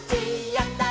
やった！